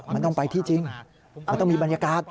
มันต้องไปที่จริงมันต้องมีบรรยากาศ